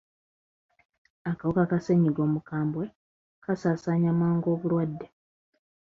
Akawuka ka ssenyiga omukambwe kasaasaanya mangu obulwadde.